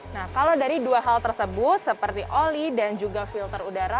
nah kalau dari dua hal tersebut seperti oli dan juga filter udara